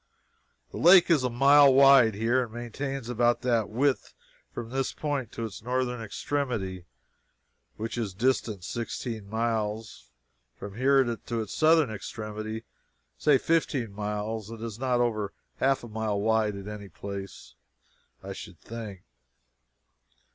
The lake is a mile wide, here, and maintains about that width from this point to its northern extremity which is distant sixteen miles: from here to its southern extremity say fifteen miles it is not over half a mile wide in any place, I should think.